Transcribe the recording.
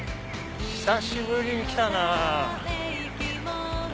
久しぶりに来たなぁ。